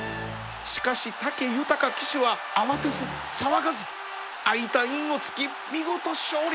しかし武豊騎手は慌てず騒がず空いたインを突き見事勝利